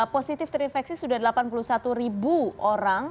positif terinfeksi sudah delapan puluh satu ribu orang